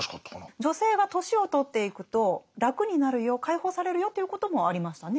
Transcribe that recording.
女性が年を取っていくと楽になるよ解放されるよということもありましたね